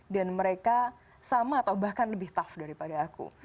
dan mereka sama atau bahkan lebih tough daripada aku